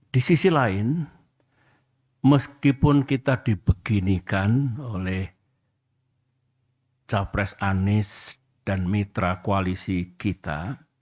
di sisi lain meskipun kita dibeginikan oleh capres anies dan mitra koalisi kita